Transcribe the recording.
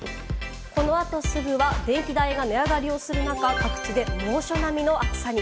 この後すぐは電気代が値上がる中、各地で猛暑並みの暑さに。